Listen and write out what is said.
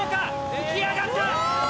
浮き上がった！